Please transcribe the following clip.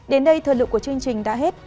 đến đây thờ lượng của chương trình đã hết